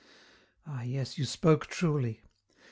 Ah, yes, you spoke truly.